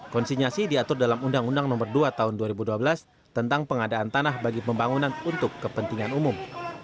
konsinyasi diatur dalam undang undang nomor dua tahun dua ribu dua belas tentang pengadaan tanah bagi pembangunan untuk kepentingan umum